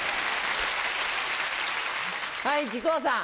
はい木久扇さん。